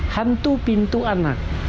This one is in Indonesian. hantu pintu anak